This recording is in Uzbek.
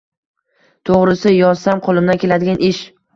– To‘g‘risi, yozsam, qo‘limdan keladigan ish.